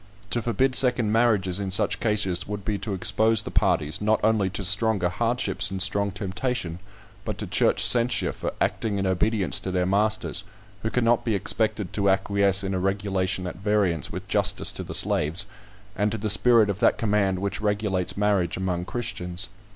To forbid second marriages in such cases would be to expose the parties, not only to stronger hardships and strong temptation, but to church censure for acting in obedience to their masters, who cannot be expected to acquiesce in a regulation at variance with justice to the slaves, and to the spirit of that command which regulates marriage among Christians.